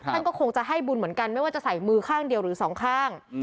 ท่านก็คงจะให้บุญเหมือนกันไม่ว่าจะใส่มือข้างเดียวหรือสองข้าง